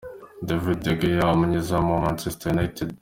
David de Gea umunyezamu wa Manchester United.